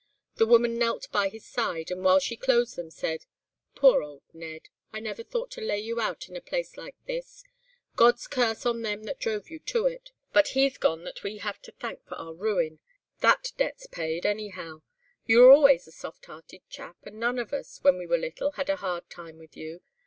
The woman knelt by his side, and while she closed them, said, 'Poor old Ned! I never thought to lay you out in a place like this. God's curse on them that drove you to it; but he's gone that we have to thank for our ruin; that debt's paid, anyhow! You were always a soft hearted chap, and none of us, when we were little, had a hard time with you.